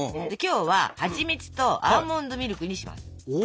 今日ははちみつとアーモンドミルクにします。